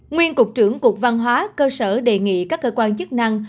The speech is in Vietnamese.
nguyên cục trưởng cục văn hóa cơ sở đề nghị các cơ quan chức năng